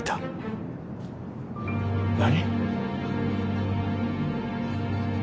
何！？